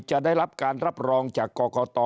จะได้รับการรับรองจากกรกต